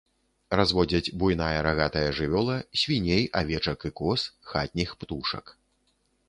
Разводзяць буйная рагатая жывёла, свіней, авечак і коз, хатніх птушак.